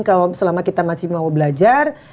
kalau selama kita masih mau belajar